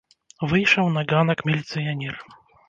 Выйшаў на ганак міліцыянер.